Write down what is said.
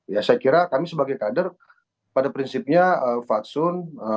jadi saya kira kami sebagai kader pada prinsipnya fatsun